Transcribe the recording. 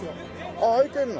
ああ開いてんの？